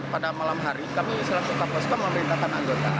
pada malam hari kami selalu tak paskan memberitakan anggotaan